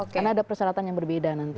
karena ada persyaratan yang berbeda nanti